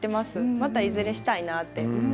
またいずれしたいなって。